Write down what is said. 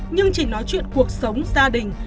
nhưng chỉ nói chuyện cuộc sống gia đình